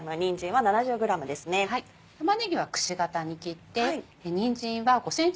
玉ねぎはくし形に切ってにんじんは５ｃｍ